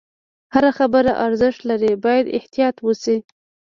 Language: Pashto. هره خبره ارزښت لري، باید احتیاط وشي.